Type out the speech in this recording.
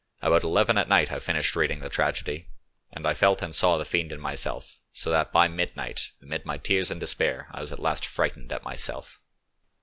"About eleven at night I finished reading the tragedy, and I felt and saw the fiend in myself, so that by midnight, amid my tears and despair, I was at last frightened at myself."